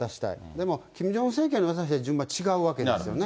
でもキム・ジョンウン政権の順番はまた違うわけですよね。